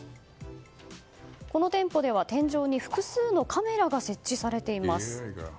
この店舗では、天井に複数のカメラが設置されています。